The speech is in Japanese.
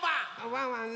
ワンワン